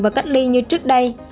và cách ly như trước đây